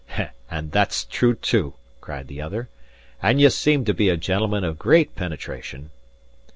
"And that's true, too," cried the other, "and ye seem to be a gentleman of great penetration."